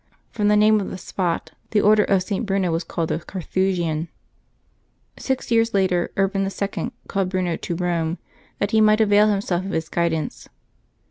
From the name of the spot the Order of St. Bruno was called the Carthusian. Six 3^ears later, Urban II. called Bruno to Rome, that he might avail himself of his guidance.